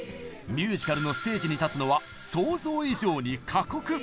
ミュージカルのステージに立つのは想像以上に過酷！